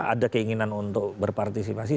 ada keinginan untuk berpartisipasi